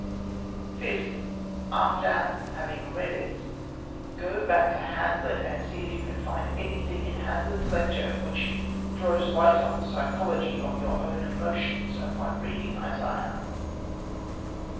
Fifth: After having read it, go back to Hazlitt, and see if you can find anything in Hazlitt's lecture which throws light on the psychology of your own emotions upon reading Isaiah.